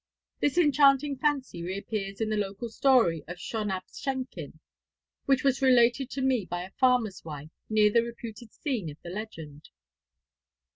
' This enchanting fancy reappears in the local story of Shon ap Shenkin, which was related to me by a farmer's wife near the reputed scene of the legend.